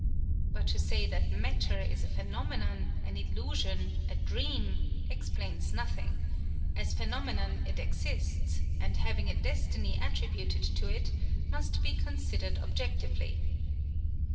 But to say that matter is a phenomenon, an illusion, a dream, explains nothing; as phenomenon it exists, and having a destiny attributed to it, must be considered objectively.